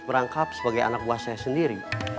merangkap sebagai anak buah saya sendiri